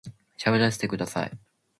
喋らせてください